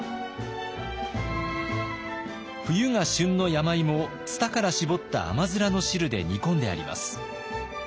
冬が旬の山芋をツタから搾った甘の汁で煮込んであります。